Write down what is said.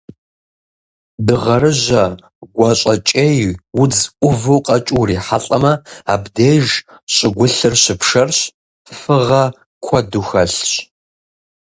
Дыгъэрыжьэ гуащӀэкӀей удз Ӏуву къэкӀыу урихьэлӀэмэ, абдеж щӀыгулъыр щыпшэрщ, фыгъэ куэду хэлъщ.